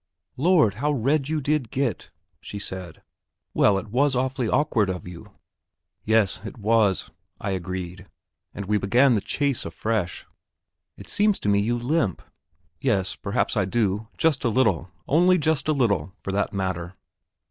"Lord, how red you did get!" she said. "Well it was awfully awkward of you." "Yes, it was," I agreed, and we began the chase afresh. "It seems to me you limp." "Yes; perhaps I do just a little only just a little, for that matter."